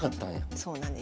そうなんです。